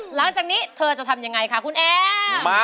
หลังจากนี้เธอเล่นให้ตัดสินใจของคุณแอมค่ะว่า